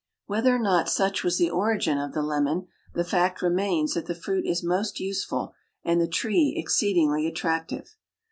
Whether or not such was the origin of the Lemon, the fact remains that the fruit is most useful and the tree exceedingly attractive.